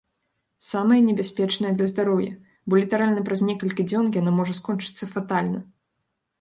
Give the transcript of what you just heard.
Самая небяспечная для здароўя, бо літаральна праз некалькі дзён яна можа скончыцца фатальна.